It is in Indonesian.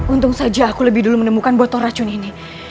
untung saja aku lebih dulu menemukan botol racun ini